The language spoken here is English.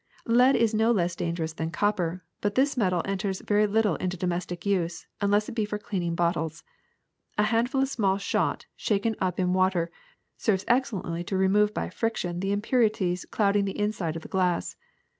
^^Lead is no less dangerous than copper, but this metal enters very little into domestic use, unless it be for cleaning bottles. A handful of small shot shaken up in water serves excellently to remove by fric tion the impurities clouding the inside of the glass.